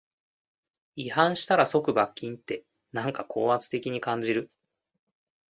違反したら即罰金って、なんか高圧的に感じる